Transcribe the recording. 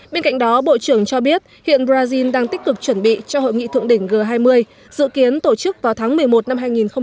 bên cạnh đó bộ trưởng cho biết hiện brazil đang tích cực chuẩn bị cho hội nghị thượng đỉnh g hai mươi dự kiến tổ chức vào tháng một mươi một năm hai nghìn hai mươi